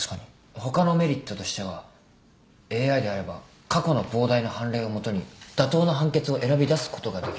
他のメリットとしてはＡＩであれば過去の膨大な判例を基に妥当な判決を選び出すことができる。